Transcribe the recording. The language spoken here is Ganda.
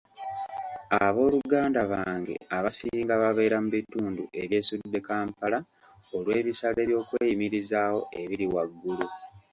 Abooluganda bange abasinga babeera mu bitundu ebyesudde Kampala olw'ebisale by'okweyimirizaawo ebiri waggulu.